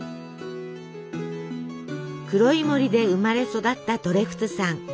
黒い森で生まれ育ったトレフツさん。